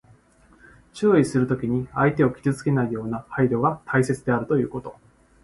注意するときに、相手を傷つけないような配慮が大切であるということ。